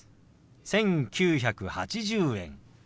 「１９８０円」。